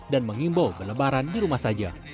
dan mengimbau berlebaran di rumah saja